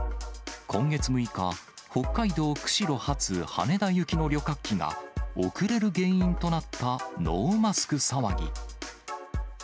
今月６日、北海道釧路発羽田行きの旅客機が遅れる原因となったノーマスク騒ぎ。